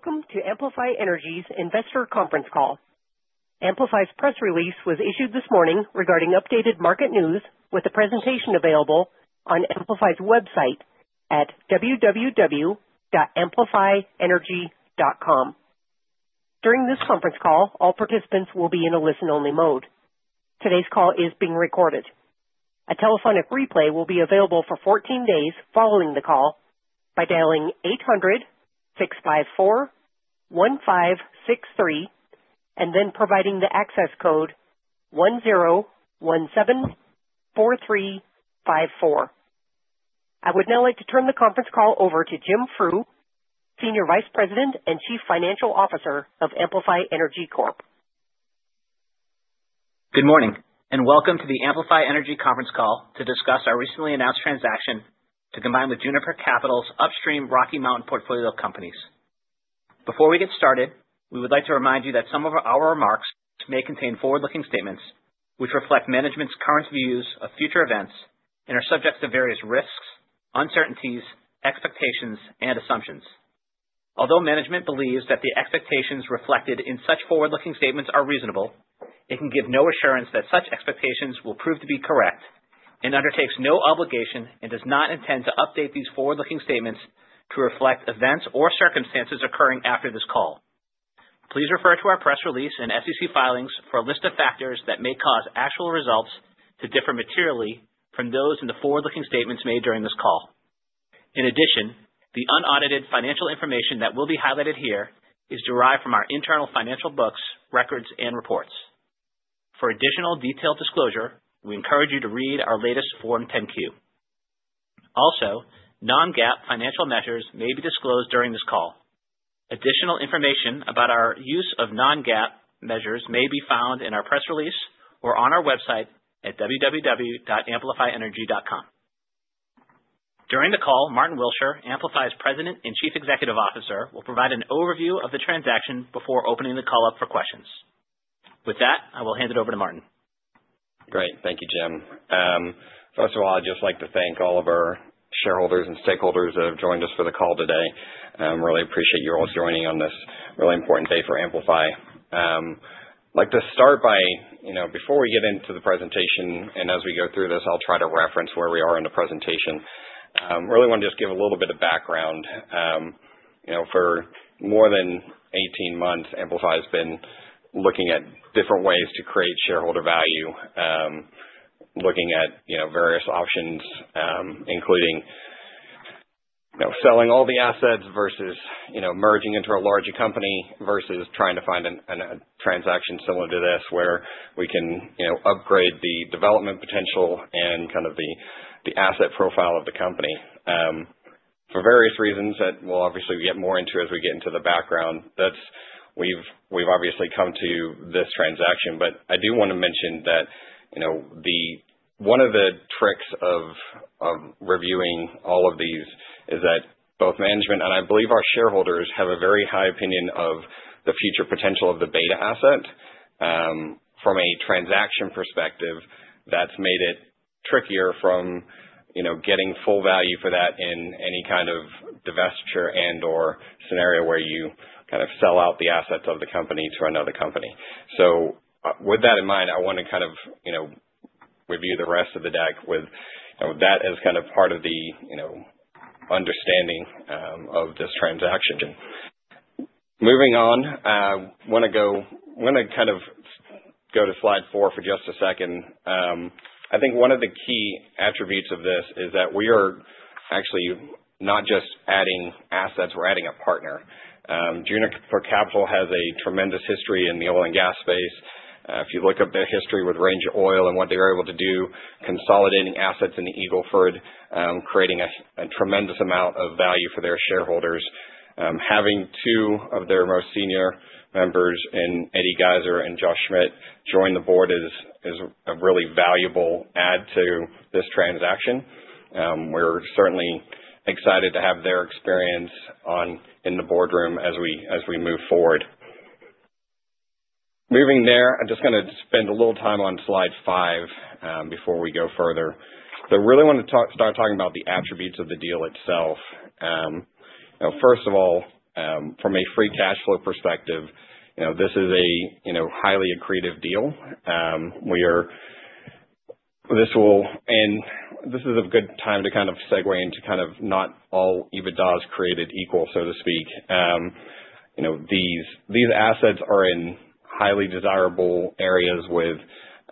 Welcome to Amplify Energy's investor conference call. Amplify's press release was issued this morning regarding updated market news, with a presentation available on Amplify's website at www.amplifyenergy.com. During this conference call, all participants will be in a listen-only mode. Today's call is being recorded. A telephonic replay will be available for 14 days following the call by dialing 800-654-1563 and then providing the access code 10174354. I would now like to turn the conference call over to Jim Frew, Senior Vice President and Chief Financial Officer of Amplify Energy Corp. Good morning, and welcome to the Amplify Energy conference call to discuss our recently announced transaction to combine with Juniper Capital's upstream Rocky Mountain portfolio of companies. Before we get started, we would like to remind you that some of our remarks may contain forward-looking statements which reflect management's current views of future events and are subject to various risks, uncertainties, expectations, and assumptions. Although management believes that the expectations reflected in such forward-looking statements are reasonable, it can give no assurance that such expectations will prove to be correct and undertakes no obligation and does not intend to update these forward-looking statements to reflect events or circumstances occurring after this call. Please refer to our press release and SEC filings for a list of factors that may cause actual results to differ materially from those in the forward-looking statements made during this call. In addition, the unaudited financial information that will be highlighted here is derived from our internal financial books, records, and reports. For additional detailed disclosure, we encourage you to read our latest Form 10-Q. Also, non-GAAP financial measures may be disclosed during this call. Additional information about our use of non-GAAP measures may be found in our press release or on our website at www.amplifyenergy.com. During the call, Martyn Willsher, Amplify's President and Chief Executive Officer, will provide an overview of the transaction before opening the call up for questions. With that, I will hand it over to Martyn. Great. Thank you, Jim. First of all, I'd just like to thank all of our shareholders and stakeholders that have joined us for the call today. I really appreciate you all joining on this really important day for Amplify. I'd like to start by, before we get into the presentation and as we go through this, I'll try to reference where we are in the presentation. I really want to just give a little bit of background. For more than 18 months, Amplify has been looking at different ways to create shareholder value, looking at various options, including selling all the assets versus merging into a larger company versus trying to find a transaction similar to this where we can upgrade the development potential and kind of the asset profile of the company. For various reasons that we'll obviously get more into as we get into the background, we've obviously come to this transaction. But I do want to mention that one of the tricks of reviewing all of these is that both management and I believe our shareholders have a very high opinion of the future potential of the Beta asset. From a transaction perspective, that's made it trickier from getting full value for that in any kind of divestiture and/or scenario where you kind of sell out the assets of the company to another company. So with that in mind, I want to kind of review the rest of the deck with that as kind of part of the understanding of this transaction. Moving on, I want to kind of go to slide four for just a second. I think one of the key attributes of this is that we are actually not just adding assets. We're adding a partner. Juniper Capital has a tremendous history in the oil and gas space. If you look up their history with Ranger Oil and what they were able to do, consolidating assets in the Eagle Ford, creating a tremendous amount of value for their shareholders, having two of their most senior members, Eddie Geiser and Josh Schmidt, join the board is a really valuable add to this transaction. We're certainly excited to have their experience in the boardroom as we move forward. Moving there, I'm just going to spend a little time on slide five before we go further. So I really want to start talking about the attributes of the deal itself. First of all, from a free cash flow perspective, this is a highly accretive deal. This is a good time to kind of segue into kind of not all EBITDA's created equal, so to speak. These assets are in highly desirable areas with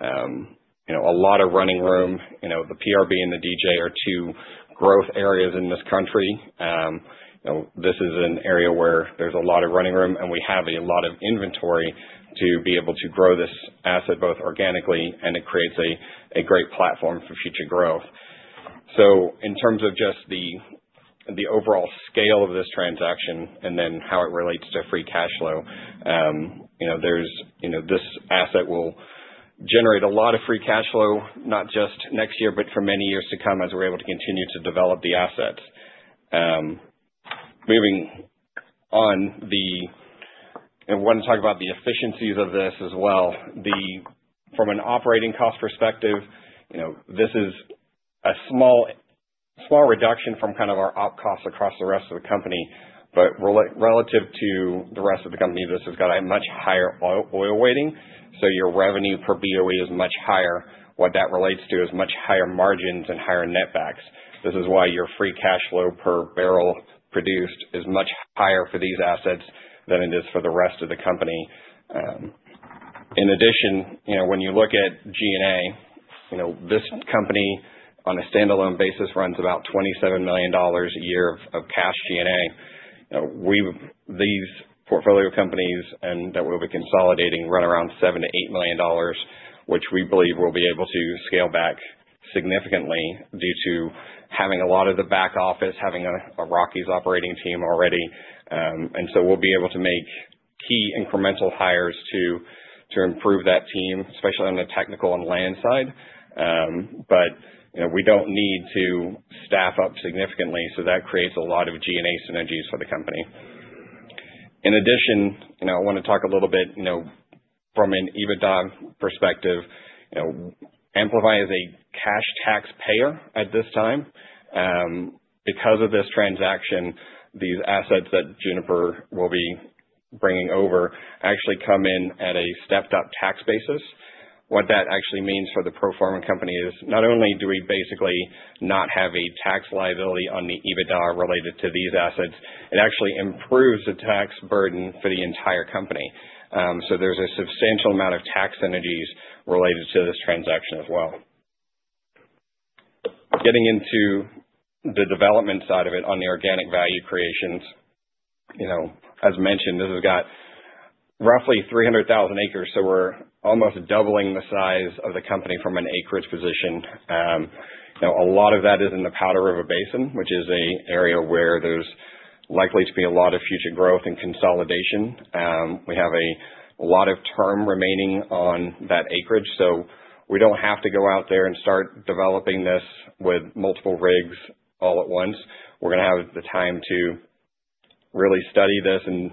a lot of running room. The PRB and the DJ are two growth areas in this country. This is an area where there's a lot of running room, and we have a lot of inventory to be able to grow this asset both organically, and it creates a great platform for future growth. So in terms of just the overall scale of this transaction and then how it relates to free cash flow, this asset will generate a lot of free cash flow, not just next year, but for many years to come as we're able to continue to develop the assets. Moving on, I want to talk about the efficiencies of this as well. From an operating cost perspective, this is a small reduction from kind of our op costs across the rest of the company. But relative to the rest of the company, this has got a much higher oil weighting. So your revenue per BOE is much higher. What that relates to is much higher margins and higher netbacks. This is why your free cash flow per barrel produced is much higher for these assets than it is for the rest of the company. In addition, when you look at G&A, this company on a standalone basis runs about $27 million a year of cash G&A. These portfolio companies that we'll be consolidating run around $7-$8 million, which we believe we'll be able to scale back significantly due to having a lot of the back office, having a Rockies operating team already. And so we'll be able to make key incremental hires to improve that team, especially on the technical and land side. But we don't need to staff up significantly, so that creates a lot of G&A synergies for the company. In addition, I want to talk a little bit from an EBITDA perspective. Amplify is a cash taxpayer at this time. Because of this transaction, these assets that Juniper will be bringing over actually come in at a stepped-up tax basis. What that actually means for the pro forma company is not only do we basically not have a tax liability on the EBITDA related to these assets, it actually improves the tax burden for the entire company. So there's a substantial amount of tax synergies related to this transaction as well. Getting into the development side of it on the organic value creations, as mentioned, this has got roughly 300,000 acres, so we're almost doubling the size of the company from an acreage position. A lot of that is in the Powder River Basin, which is an area where there's likely to be a lot of future growth and consolidation. We have a lot of term remaining on that acreage, so we don't have to go out there and start developing this with multiple rigs all at once. We're going to have the time to really study this and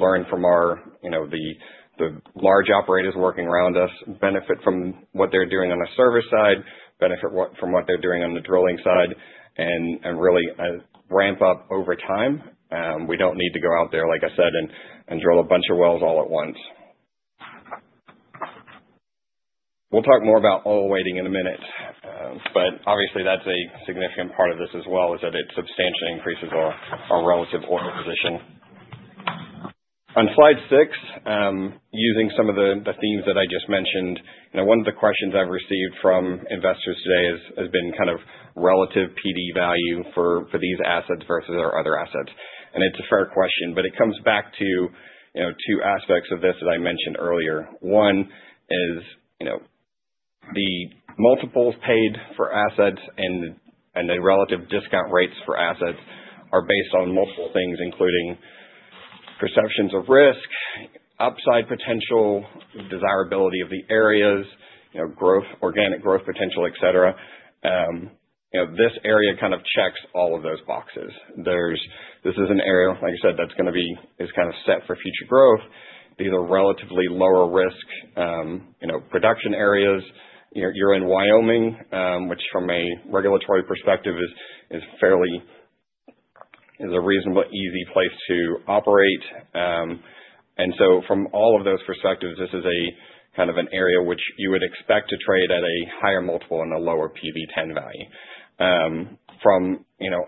learn from the large operators working around us, benefit from what they're doing on the service side, benefit from what they're doing on the drilling side, and really ramp up over time. We don't need to go out there, like I said, and drill a bunch of wells all at once. We'll talk more about oil weighting in a minute, but obviously, that's a significant part of this as well is that it substantially increases our relative oil position. On slide six, using some of the themes that I just mentioned, one of the questions I've received from investors today has been kind of relative PV value for these assets versus our other assets, and it's a fair question, but it comes back to two aspects of this that I mentioned earlier. One is the multiples paid for assets and the relative discount rates for assets are based on multiple things, including perceptions of risk, upside potential, desirability of the areas, organic growth potential, etc. This area kind of checks all of those boxes. This is an area, like I said, that's going to be kind of set for future growth. These are relatively lower-risk production areas. You're in Wyoming, which from a regulatory perspective is a reasonably easy place to operate, and so from all of those perspectives, this is kind of an area which you would expect to trade at a higher multiple and a lower PV-10 value.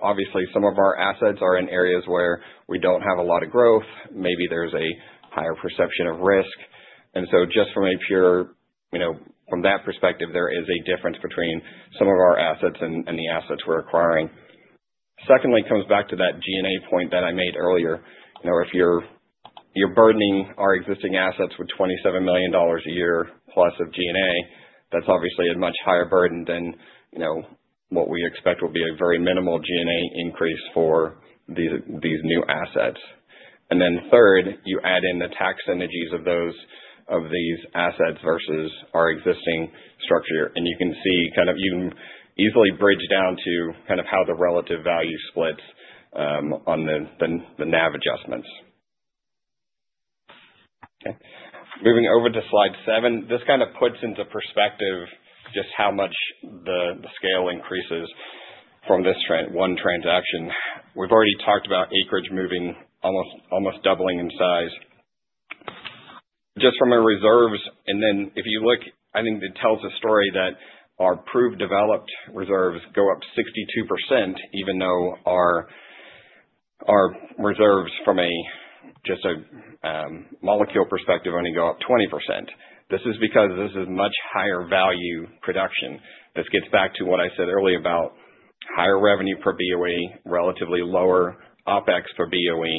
Obviously, some of our assets are in areas where we don't have a lot of growth. Maybe there's a higher perception of risk, and so just from that perspective, there is a difference between some of our assets and the assets we're acquiring. Secondly, it comes back to that G&A point that I made earlier. If you're burdening our existing assets with $27 million a year plus of G&A, that's obviously a much higher burden than what we expect will be a very minimal G&A increase for these new assets, and then third, you add in the tax synergies of these assets versus our existing structure. You can see kind of. You can easily bridge down to kind of how the relative value splits on the NAV adjustments. Okay. Moving over to slide seven, this kind of puts into perspective just how much the scale increases from this one transaction. We've already talked about acreage moving, almost doubling in size. Just from our reserves, and then if you look, I think it tells a story that our proved developed reserves go up 62%, even though our reserves from just a molecule perspective only go up 20%. This is because this is much higher value production. This gets back to what I said earlier about higher revenue per BOE, relatively lower OPEX per BOE.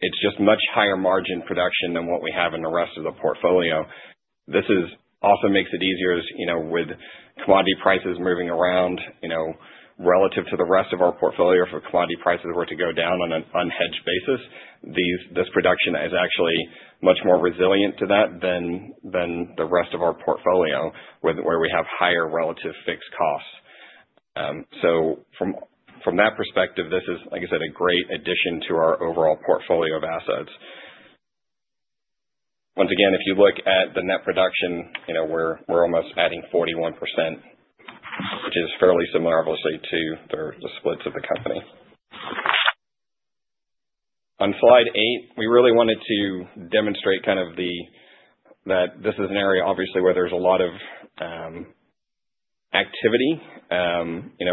It's just much higher margin production than what we have in the rest of the portfolio. This also makes it easier with commodity prices moving around relative to the rest of our portfolio. If commodity prices were to go down on an unhedged basis, this production is actually much more resilient to that than the rest of our portfolio where we have higher relative fixed costs. So from that perspective, this is, like I said, a great addition to our overall portfolio of assets. Once again, if you look at the net production, we're almost adding 41%, which is fairly similar, obviously, to the splits of the company. On slide eight, we really wanted to demonstrate kind of that this is an area, obviously, where there's a lot of activity.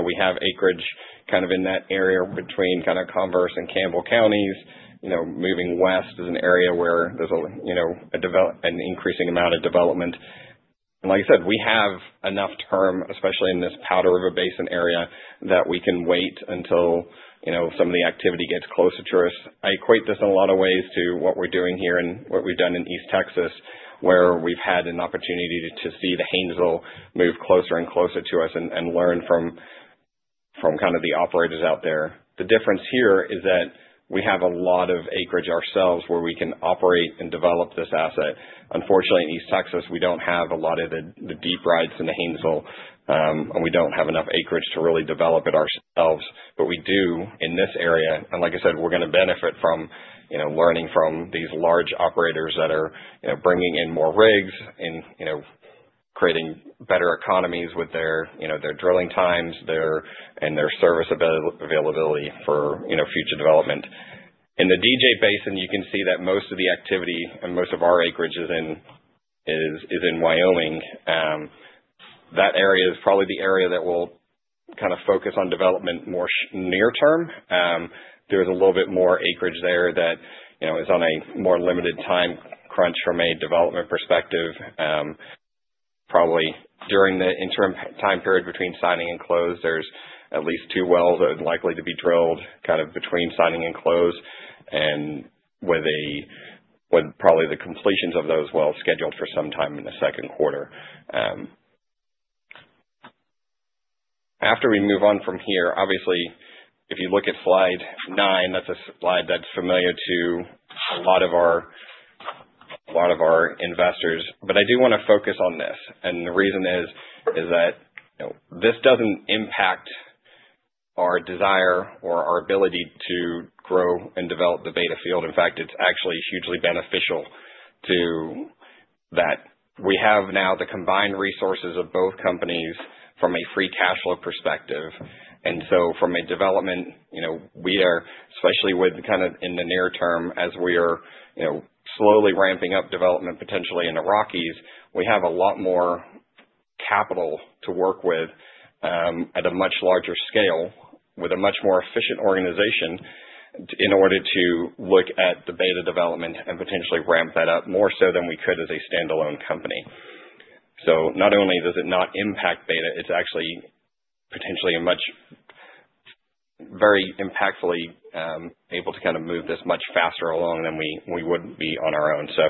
We have acreage kind of in that area between kind of Converse and Campbell counties. Moving west is an area where there's an increasing amount of development. And like I said, we have enough time, especially in this Powder River Basin area, that we can wait until some of the activity gets closer to us. I equate this in a lot of ways to what we're doing here and what we've done in East Texas, where we've had an opportunity to see the Haynesville move closer and closer to us and learn from kind of the operators out there. The difference here is that we have a lot of acreage ourselves where we can operate and develop this asset. Unfortunately, in East Texas, we don't have a lot of the deep rights in the Haynesville, and we don't have enough acreage to really develop it ourselves. But we do in this area. And like I said, we're going to benefit from learning from these large operators that are bringing in more rigs and creating better economies with their drilling times and their service availability for future development. In the DJ Basin, you can see that most of the activity and most of our acreage is in Wyoming. That area is probably the area that will kind of focus on development more near term. There's a little bit more acreage there that is on a more limited time crunch from a development perspective. Probably during the interim time period between signing and close, there's at least two wells that are likely to be drilled kind of between signing and close and with probably the completions of those wells scheduled for sometime in the second quarter. After we move on from here, obviously, if you look at slide nine, that's a slide that's familiar to a lot of our investors. But I do want to focus on this. And the reason is that this doesn't impact our desire or our ability to grow and develop the Beta Field. In fact, it's actually hugely beneficial to that. We have now the combined resources of both companies from a free cash flow perspective. And so from a development, we are, especially kind of in the near term, as we are slowly ramping up development potentially in the Rockies, we have a lot more capital to work with at a much larger scale with a much more efficient organization in order to look at the Beta development and potentially ramp that up more so than we could as a standalone company. So not only does it not impact Beta, it's actually potentially very impactfully able to kind of move this much faster along than we would be on our own. So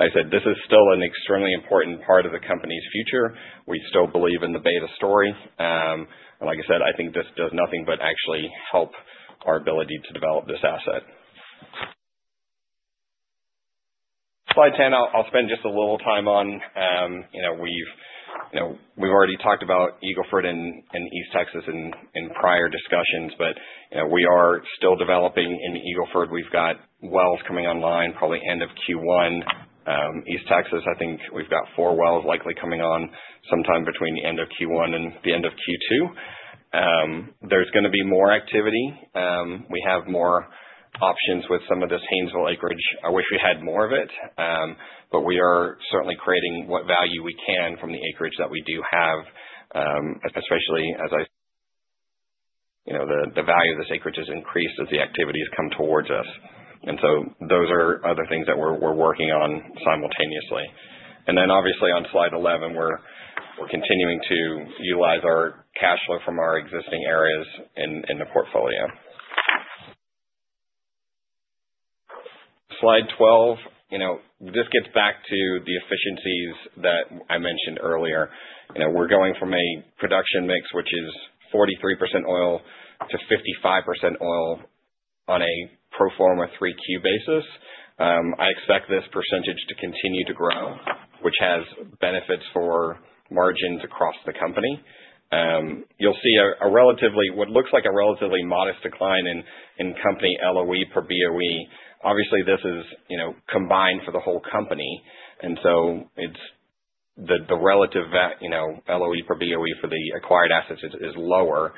like I said, this is still an extremely important part of the company's future. We still believe in the Beta story. And like I said, I think this does nothing but actually help our ability to develop this asset. Slide 10, I'll spend just a little time on. We've already talked about Eagle Ford and East Texas in prior discussions, but we are still developing in Eagle Ford. We've got wells coming online probably end of Q1. East Texas, I think we've got four wells likely coming on sometime between the end of Q1 and the end of Q2. There's going to be more activity. We have more options with some of this Haynesville acreage. I wish we had more of it, but we are certainly creating what value we can from the acreage that we do have, especially as the value of this acreage has increased as the activities come towards us, and so those are other things that we're working on simultaneously, and then obviously on slide 11, we're continuing to utilize our cash flow from our existing areas in the portfolio. Slide 12, this gets back to the efficiencies that I mentioned earlier. We're going from a production mix, which is 43% oil to 55% oil on a pro forma 3Q basis. I expect this percentage to continue to grow, which has benefits for margins across the company. You'll see what looks like a relatively modest decline in company LOE per BOE. Obviously, this is combined for the whole company. And so the relative LOE per BOE for the acquired assets is lower.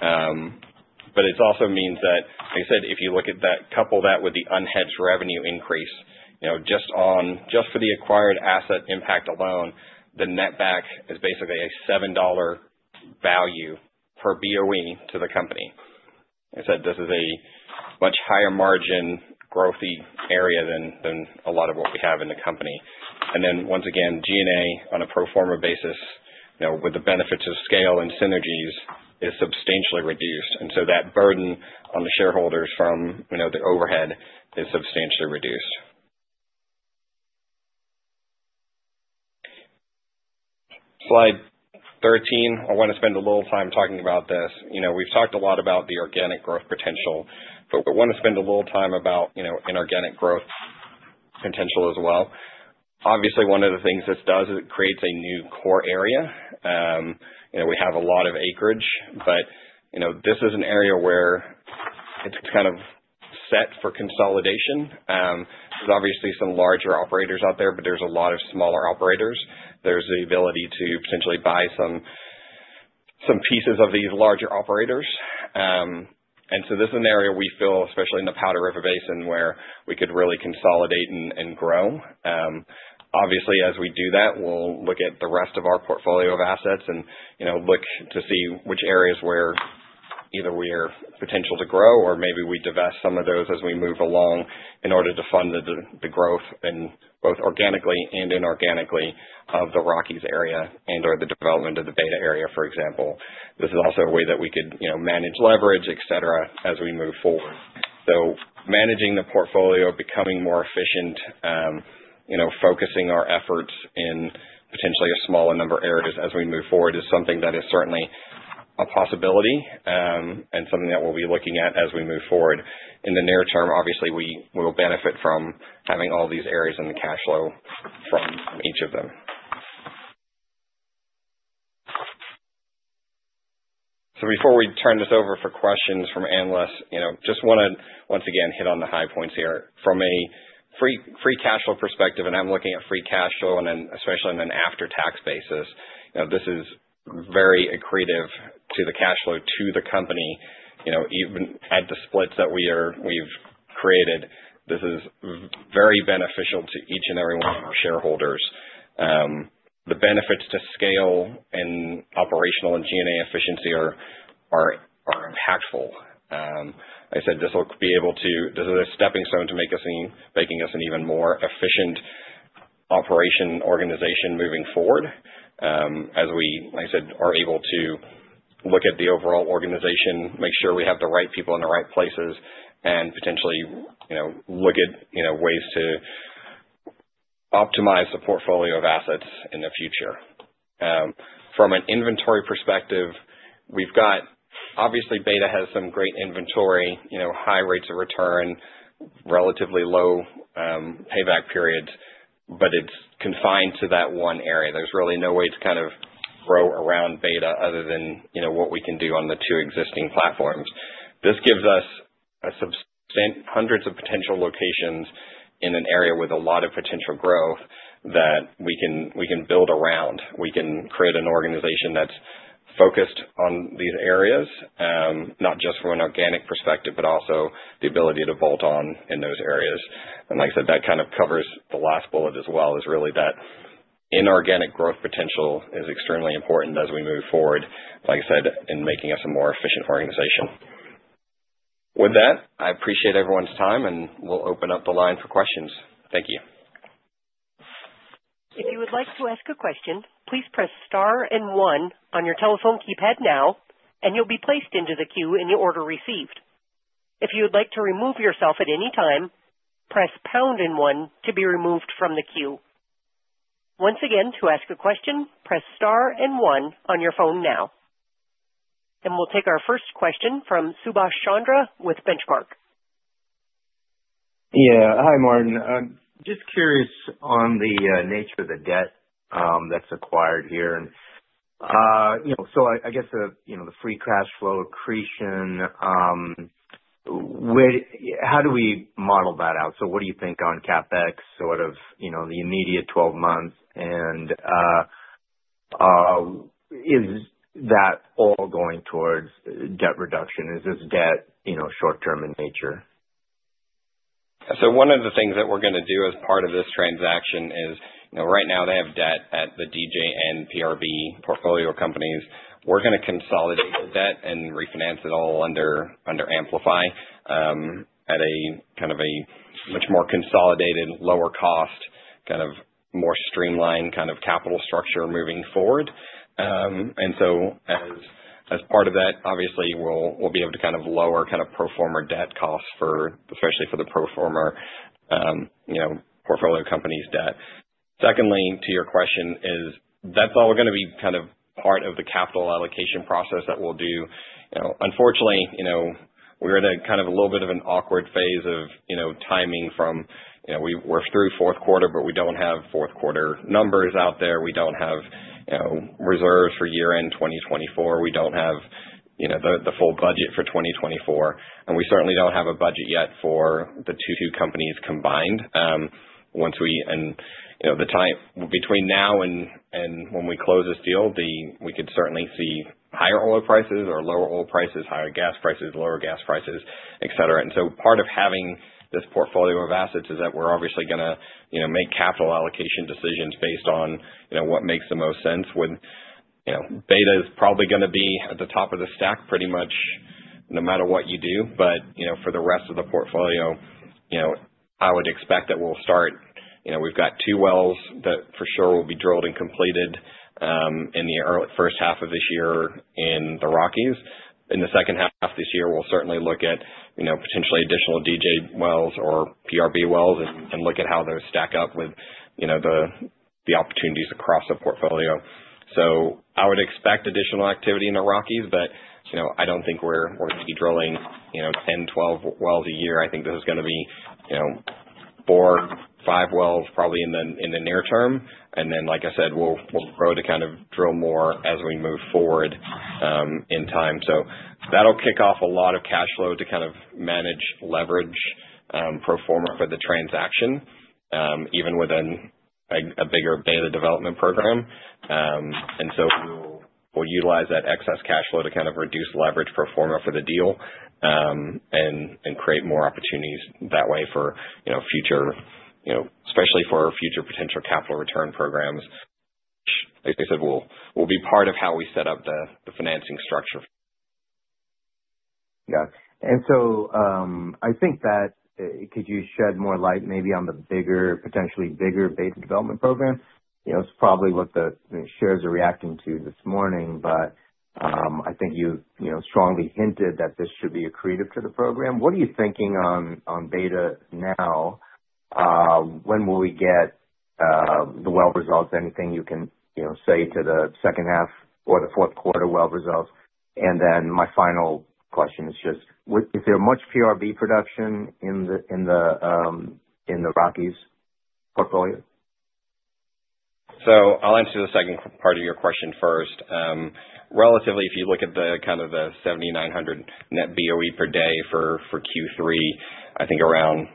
But it also means that, like I said, if you look at that, couple that with the unhedged revenue increase, just for the acquired asset impact alone, the net back is basically a $7 value per BOE to the company. Like I said, this is a much higher margin growth area than a lot of what we have in the company. And then once again, G&A on a pro forma basis with the benefits of scale and synergies is substantially reduced. And so that burden on the shareholders from the overhead is substantially reduced. Slide 13, I want to spend a little time talking about this. We've talked a lot about the organic growth potential, but we want to spend a little time about inorganic growth potential as well. Obviously, one of the things this does is it creates a new core area. We have a lot of acreage, but this is an area where it's kind of set for consolidation. There's obviously some larger operators out there, but there's a lot of smaller operators. There's the ability to potentially buy some pieces of these larger operators. And so this is an area we feel, especially in the Powder River Basin, where we could really consolidate and grow. Obviously, as we do that, we'll look at the rest of our portfolio of assets and look to see which areas where either we are potential to grow or maybe we divest some of those as we move along in order to fund the growth in both organically and inorganically of the Rockies area and/or the development of the Beta area, for example. This is also a way that we could manage leverage, etc., as we move forward. So managing the portfolio, becoming more efficient, focusing our efforts in potentially a smaller number of areas as we move forward is something that is certainly a possibility and something that we'll be looking at as we move forward. In the near term, obviously, we will benefit from having all these areas in the cash flow from each of them. So before we turn this over for questions from analysts, just want to once again hit on the high points here. From a free cash flow perspective, and I'm looking at free cash flow, and then especially on an after-tax basis, this is very accretive to the cash flow to the company. Even at the splits that we've created, this is very beneficial to each and every one of our shareholders. The benefits to scale and operational and G&A efficiency are impactful. Like I said, this is a stepping stone to making us an even more efficient operational organization moving forward as we, like I said, are able to look at the overall organization, make sure we have the right people in the right places, and potentially look at ways to optimize the portfolio of assets in the future. From an inventory perspective, obviously, beta has some great inventory, high rates of return, relatively low payback periods, but it's confined to that one area. There's really no way to kind of grow around beta other than what we can do on the two existing platforms. This gives us hundreds of potential locations in an area with a lot of potential growth that we can build around. We can create an organization that's focused on these areas, not just from an organic perspective, but also the ability to bolt on in those areas. And like I said, that kind of covers the last bullet as well, is really that inorganic growth potential is extremely important as we move forward, like I said, in making us a more efficient organization. With that, I appreciate everyone's time, and we'll open up the line for questions. Thank you. If you would like to ask a question, please press star and one on your telephone keypad now, and you'll be placed into the queue in the order received. If you would like to remove yourself at any time, press pound and one to be removed from the queue. Once again, to ask a question, press star and one on your phone now. We'll take our first question from Subash Chandra with Benchmark. Yeah. Hi, Martyn. Just curious on the nature of the debt that's acquired here. I guess the free cash flow accretion, how do we model that out? What do you think on CapEx, sort of the immediate 12 months? And is that all going towards debt reduction? Is this debt short-term in nature? One of the things that we're going to do as part of this transaction is right now they have debt at the DJ and PRB portfolio companies. We're going to consolidate the debt and refinance it all under Amplify at a kind of a much more consolidated, lower-cost, kind of more streamlined kind of capital structure moving forward. And so, as part of that, obviously, we'll be able to kind of lower kind of pro forma debt costs, especially for the pro forma portfolio company's debt. Secondly, to your question, that's all going to be kind of part of the capital allocation process that we'll do. Unfortunately, we're in a kind of a little bit of an awkward phase of timing from where we're through fourth quarter, but we don't have fourth quarter numbers out there. We don't have reserves for year-end 2024. We don't have the full budget for 2024. And we certainly don't have a budget yet for the two companies combined. And the time between now and when we close this deal, we could certainly see higher oil prices or lower oil prices, higher gas prices, lower gas prices, etc. And so part of having this portfolio of assets is that we're obviously going to make capital allocation decisions based on what makes the most sense. Beta is probably going to be at the top of the stack pretty much no matter what you do. But for the rest of the portfolio, I would expect that we'll start. We've got two wells that for sure will be drilled and completed in the first half of this year in the Rockies. In the second half of this year, we'll certainly look at potentially additional DJ wells or PRB wells and look at how those stack up with the opportunities across the portfolio. So I would expect additional activity in the Rockies, but I don't think we're going to be drilling 10, 12 wells a year. I think this is going to be four, five wells probably in the near term. Then, like I said, we'll grow to kind of drill more as we move forward in time. That'll kick off a lot of cash flow to kind of manage leverage pro forma for the transaction, even within a bigger Beta development program. We'll utilize that excess cash flow to kind of reduce leverage pro forma for the deal and create more opportunities that way for future, especially for future potential capital return programs, which, like I said, will be part of how we set up the financing structure. Yeah. I think that could you shed more light maybe on the potentially bigger Beta development program? It's probably what the shares are reacting to this morning, but I think you've strongly hinted that this should be accretive to the program. What are you thinking on Beta now? When will we get the well results? Anything you can say to the second half or the fourth quarter well results? And then my final question is just, is there much PRB production in the Rockies portfolio? So I'll answer the second part of your question first. Relatively, if you look at the kind of the 7,900 net BOE per day for Q3, I think around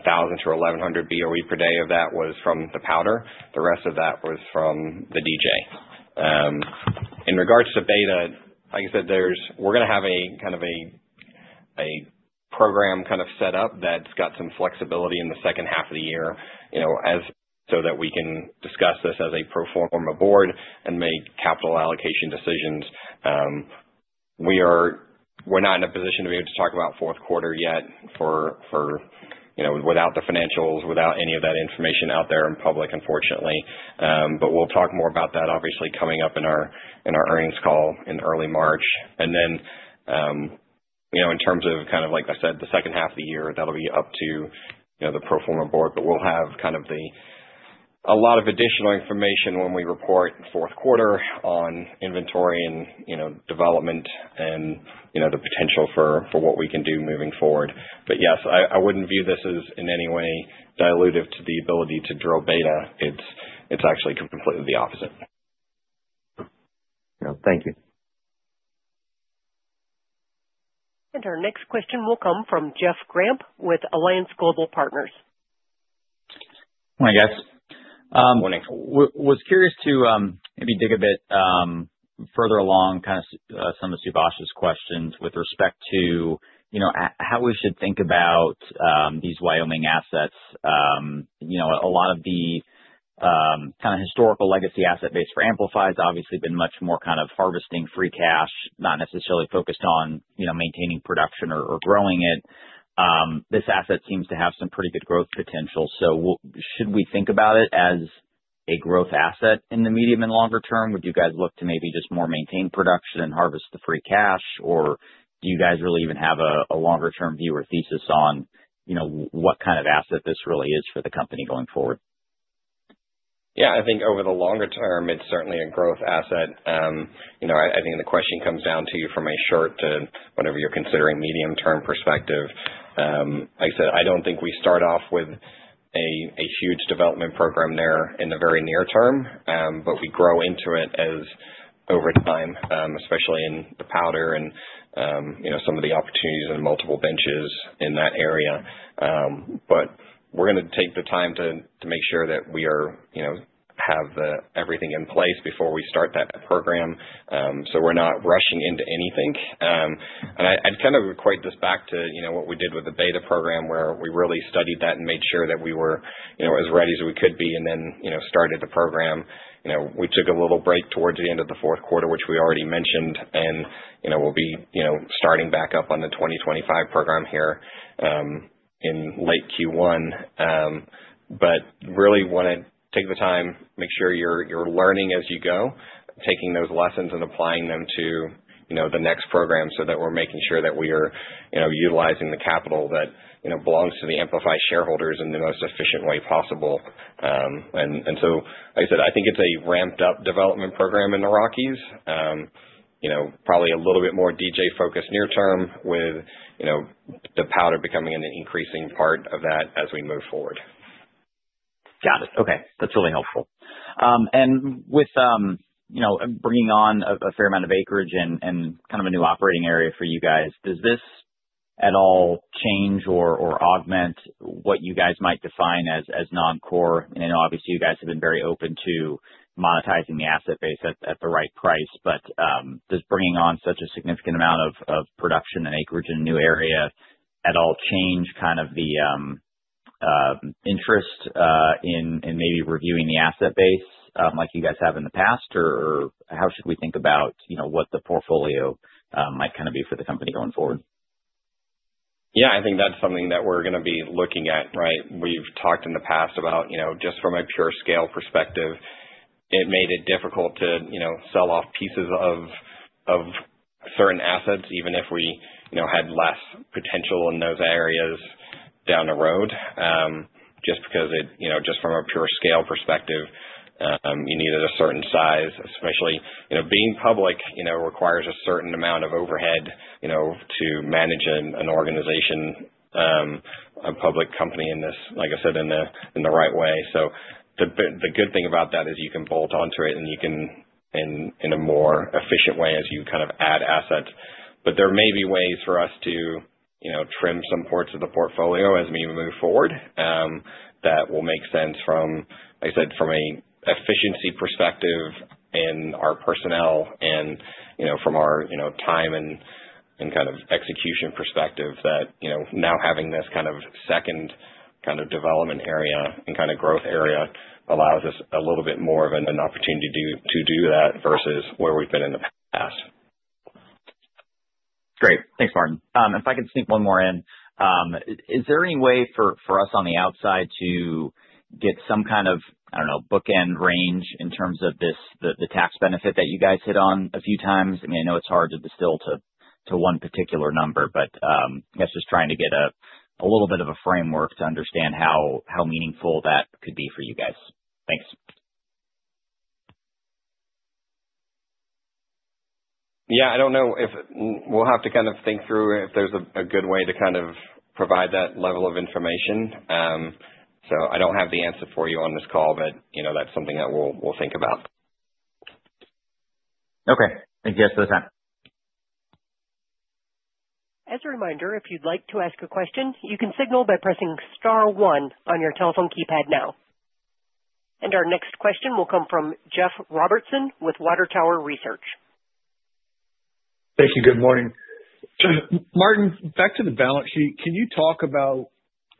1,000-1,100 BOE per day of that was from the Powder. The rest of that was from the DJ. In regards to Beta, like I said, we're going to have kind of a program kind of set up that's got some flexibility in the second half of the year so that we can discuss this as a pro forma board and make capital allocation decisions. We're not in a position to be able to talk about fourth quarter yet without the financials, without any of that information out there in public, unfortunately. But we'll talk more about that, obviously, coming up in our earnings call in early March. And then in terms of kind of, like I said, the second half of the year, that'll be up to the pro forma board, but we'll have kind of a lot of additional information when we report fourth quarter on inventory and development and the potential for what we can do moving forward. But yes, I wouldn't view this as in any way dilutive to the ability to drill beta. It's actually completely the opposite. Thank you. And our next question will come from Jeff Grampp with Alliance Global Partners. Hi, guys. Morning. Was curious to maybe dig a bit further along kind of some of Subash's questions with respect to how we should think about these Wyoming assets. A lot of the kind of historical legacy asset base for Amplify has obviously been much more kind of harvesting free cash, not necessarily focused on maintaining production or growing it. This asset seems to have some pretty good growth potential. So should we think about it as a growth asset in the medium and longer term? Would you guys look to maybe just more maintain production and harvest the free cash? Or do you guys really even have a longer-term view or thesis on what kind of asset this really is for the company going forward? Yeah. I think over the longer term, it's certainly a growth asset. I think the question comes down to you from a short to whatever you're considering medium-term perspective. Like I said, I don't think we start off with a huge development program there in the very near term, but we grow into it over time, especially in the Powder and some of the opportunities and multiple benches in that area. But we're going to take the time to make sure that we have everything in place before we start that program so we're not rushing into anything. And I'd kind of equate this back to what we did with the Beta program where we really studied that and made sure that we were as ready as we could be and then started the program. We took a little break towards the end of the fourth quarter, which we already mentioned, and we'll be starting back up on the 2025 program here in late Q1. But really want to take the time, make sure you're learning as you go, taking those lessons and applying them to the next program so that we're making sure that we are utilizing the capital that belongs to the Amplify shareholders in the most efficient way possible. And so, like I said, I think it's a ramped-up development program in the Rockies, probably a little bit more DJ-focused near term with the Powder becoming an increasing part of that as we move forward. Got it. Okay. That's really helpful. And with bringing on a fair amount of acreage and kind of a new operating area for you guys, does this at all change or augment what you guys might define as non-core? And obviously, you guys have been very open to monetizing the asset base at the right price, but does bringing on such a significant amount of production and acreage in a new area at all change kind of the interest in maybe reviewing the asset base like you guys have in the past? Or how should we think about what the portfolio might kind of be for the company going forward? Yeah. I think that's something that we're going to be looking at, right? We've talked in the past about just from a pure scale perspective. It made it difficult to sell off pieces of certain assets, even if we had less potential in those areas down the road. Just because just from a pure scale perspective, you needed a certain size, especially being public requires a certain amount of overhead to manage an organization, a public company in this, like I said, in the right way, so the good thing about that is you can bolt onto it and you can in a more efficient way as you kind of add assets. But there may be ways for us to trim some parts of the portfolio as we move forward that will make sense from, like I said, from an efficiency perspective and our personnel and from our time and kind of execution perspective that now having this kind of second kind of development area and kind of growth area allows us a little bit more of an opportunity to do that versus where we've been in the past. Great. Thanks, Martyn. If I could sneak one more in, is there any way for us on the outside to get some kind of, I don't know, bookend range in terms of the tax benefit that you guys hit on a few times? I mean, I know it's hard to distill to one particular number, but I guess just trying to get a little bit of a framework to understand how meaningful that could be for you guys. Thanks. Yeah. I don't know if we'll have to kind of think through if there's a good way to kind of provide that level of information. So I don't have the answer for you on this call, but that's something that we'll think about. Okay. Thank you. That's the time. As a reminder, if you'd like to ask a question, you can signal by pressing star one on your telephone keypad now. And our next question will come from Jeff Robertson with Water Tower Research. Thank you. Good morning. Martyn, back to the balance sheet, can you talk about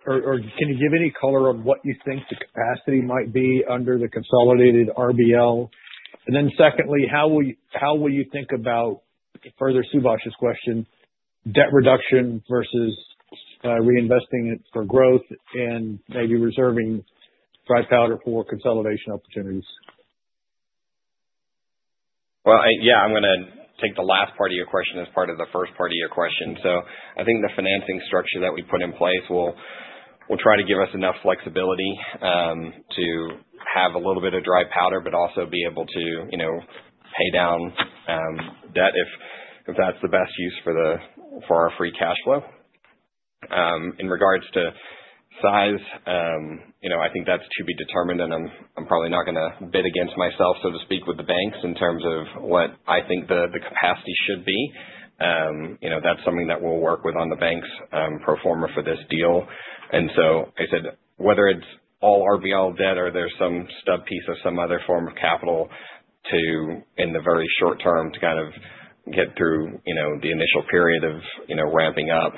or can you give any color on what you think the capacity might be under the consolidated RBL? And then secondly, how will you think about, further Subash's question, debt reduction versus reinvesting it for growth and maybe reserving dry powder for consolidation opportunities? Yeah, I'm going to take the last part of your question as part of the first part of your question. So I think the financing structure that we put in place will try to give us enough flexibility to have a little bit of dry powder, but also be able to pay down debt if that's the best use for our free cash flow. In regards to size, I think that's to be determined, and I'm probably not going to bid against myself, so to speak, with the banks in terms of what I think the capacity should be. That's something that we'll work with on the banks' pro forma for this deal. And so I said, whether it's all RBL debt or there's some stub piece of some other form of capital in the very short term to kind of get through the initial period of ramping up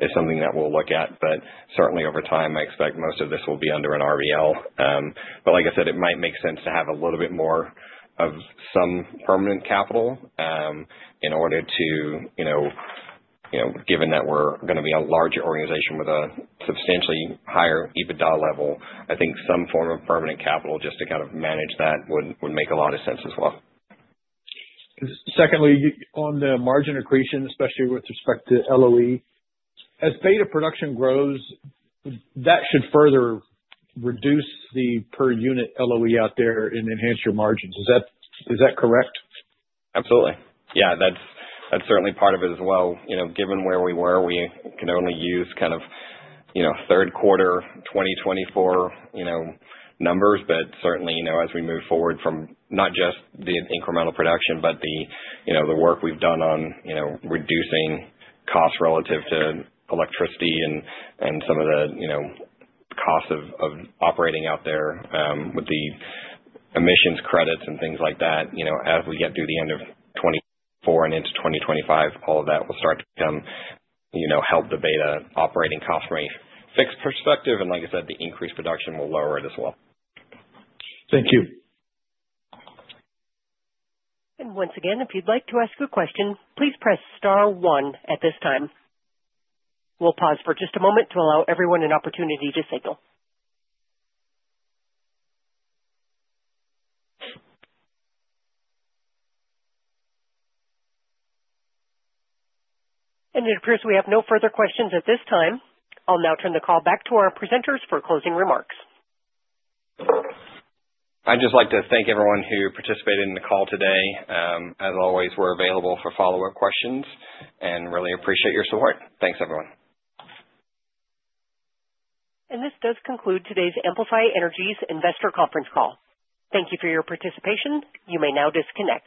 is something that we'll look at. But certainly, over time, I expect most of this will be under an RBL. But like I said, it might make sense to have a little bit more of some permanent capital in order to, given that we're going to be a larger organization with a substantially higher EBITDA level, I think some form of permanent capital just to kind of manage that would make a lot of sense as well. Secondly, on the margin accretion, especially with respect to LOE, as Beta production grows, that should further reduce the per unit LOE out there and enhance your margins. Is that correct? Absolutely. Yeah. That's certainly part of it as well. Given where we were, we can only use kind of third quarter 2024 numbers, but certainly, as we move forward from not just the incremental production, but the work we've done on reducing costs relative to electricity and some of the costs of operating out there with the emissions credits and things like that, as we get through the end of 2024 and into 2025, all of that will start to come help the Beta operating cost from a fixed perspective. And like I said, the increased production will lower it as well. Thank you. And once again, if you'd like to ask a question, please press star one at this time. We'll pause for just a moment to allow everyone an opportunity to signal. And it appears we have no further questions at this time. I'll now turn the call back to our presenters for closing remarks. I'd just like to thank everyone who participated in the call today. As always, we're available for follow-up questions and really appreciate your support. Thanks, everyone. And this does conclude today's Amplify Energy's investor conference call. Thank you for your participation. You may now disconnect.